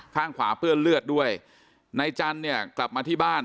ข้างขวาเปื้อนเลือดด้วยนายจันทร์เนี่ยกลับมาที่บ้าน